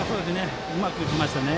うまく打ちました。